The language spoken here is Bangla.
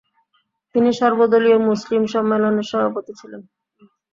তিনি সর্বদলীয় মুসলিম সম্মেলনের সভাপতি ছিলেন।